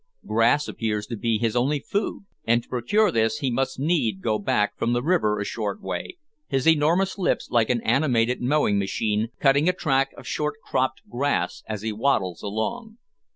Grass appears to be his only food, and to procure this he must needs go back from the river a short way, his enormous lips, like an animated mowing machine, cutting a track of short cropped grass as he waddles along.